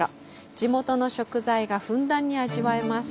地元の食材がふんだんに味わえます。